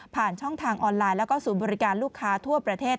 ผ่านช่องทางออนไลน์แล้วก็ศูนย์บริการลูกค้าทั่วประเทศ